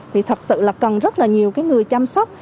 thì thật sự cần rất nhiều người chăm sóc